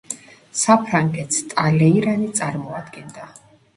საფრანგეთს ტალეირანი წარმოადგენდა.